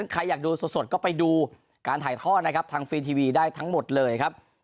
ใครอยากดูสดก็ไปดูการถ่ายทอดนะครับทางฟรีทีวีได้ทั้งหมดเลยครับ